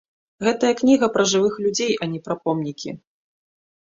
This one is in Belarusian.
Гэтая кніга пра жывых людзей, а не пра помнікі.